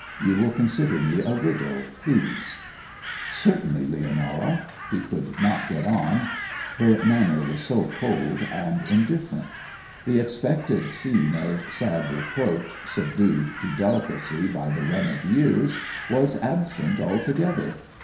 You will consider me a widow, please.' 'Certainly, Leonora ...' He could not get on, her manner was so cold and indifferent. The expected scene of sad reproach, subdued to delicacy by the run of years, was absent altogether.